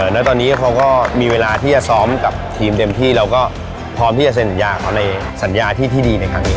แล้วตอนนี้เขาก็มีเวลาที่จะซ้อมกับทีมเต็มที่เราก็พร้อมที่จะเซ็นสัญญาเขาในสัญญาที่ดีในครั้งนี้